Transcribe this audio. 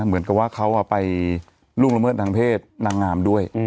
เหมือนกับว่าเขาไปล่วงละเมิดทางเพศนางงามด้วย